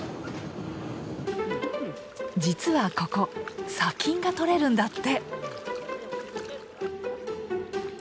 実はここ砂金がとれるんだって。